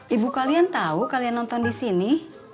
ibu kalian tau kalian nonton disini